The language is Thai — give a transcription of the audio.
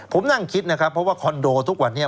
ผมนั่งคิดนะครับเพราะว่าคอนโดทุกวันนี้